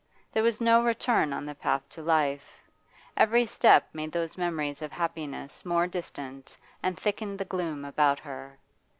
There was no return on the path of life; every step made those memories of happiness more distant and thickened the gloom about her.